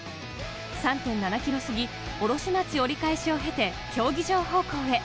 ３．７ｋｍ過ぎ、卸町折り返しを経て競技場方向へ。